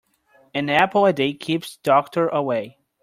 An apple a day keeps the doctor away.